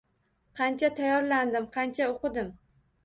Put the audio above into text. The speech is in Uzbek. Qancha tayyorlandim, qancha o`qidim